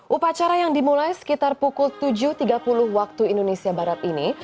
upacara yang dimulai sekitar pukul tujuh tiga puluh waktu indonesia barat ini